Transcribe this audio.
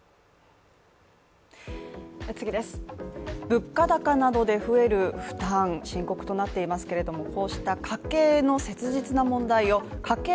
物価高などで増える負担、深刻となっていますけれどこうした家計の切実な問題を家計